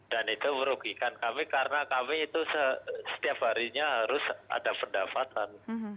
dan itu merugikan kami karena kami itu setiap harinya harus ada pendapatan